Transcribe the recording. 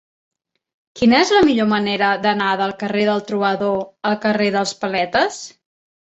Quina és la millor manera d'anar del carrer del Trobador al carrer dels Paletes?